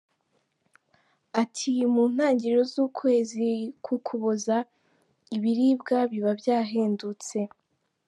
Ati “ Mu ntangiriro z’ukwezi kw’Ukuboza ibiribwa biba byahendutse.